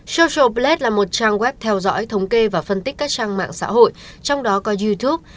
social plat là một trang web theo dõi thống kê và phân tích các trang mạng xã hội trong đó có youtube